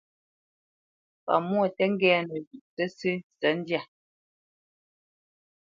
Pámwô tǝ́ ŋgɛ́nǝ zhʉ̌ʼ sǝ́sǝ̂ ndyâ.